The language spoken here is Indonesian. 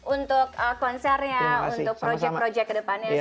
untuk konsernya untuk project project ke depannya